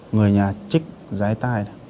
người nhà chích giái tai